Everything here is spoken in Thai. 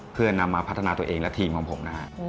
เพื่อนำมาพัฒนาตัวเองและทีมของผมนะฮะ